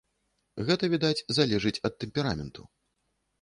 Гэта, відаць, залежыць ад тэмпераменту.